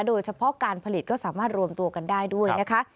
โดยเฉพาะการผลิตก็สามารถรวมตัวกันได้ด้วยนะคะ